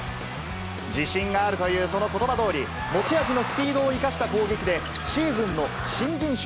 自信があるというそのことばどおり、持ち味のスピードを生かした攻撃で、シーズンの新人賞